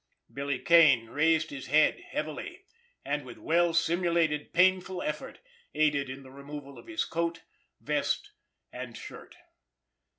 Billy Kane raised his head heavily—and with well simulated painful effort aided in the removal of his coat, vest and shirt.